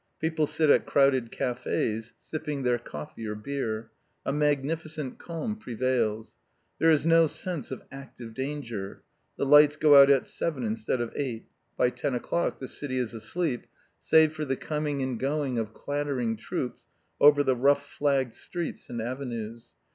People sit at crowded cafés sipping their coffee or beer. A magnificent calm prevails. There is no sense of active danger. The lights go out at seven instead of eight. By ten o'clock the city is asleep, save for the coming and going of clattering troops over the rough flagged streets and avenues.